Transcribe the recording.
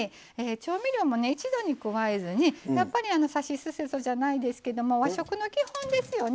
調味料も一度に加えずに、やっぱりさしすせそじゃないですけど和食の基本ですよね